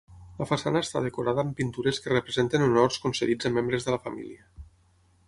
La façana està decorada amb pintures que representen honors concedits a membres de la família.